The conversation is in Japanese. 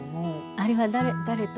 あれは誰と？